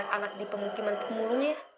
anak di pemukiman pemulungnya